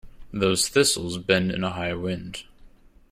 Those thistles bend in a high wind.